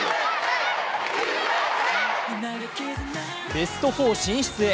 ベスト４進出へ。